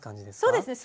そうですね。